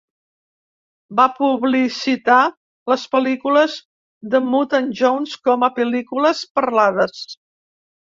Va publicitar les pel·lícules de "Mutt and Jones" com a "pel·lícules parlades".